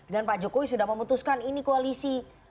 dan pak jokowi sudah memutuskan ini koalisi